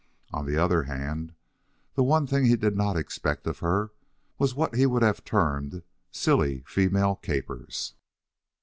On the other hand, the one thing he did not expect of her was what he would have termed "silly female capers."